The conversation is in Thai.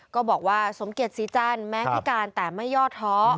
ก็บอกว่าสมเกียจศรีจันทร์แม้พิการแต่ไม่ย่อท้อ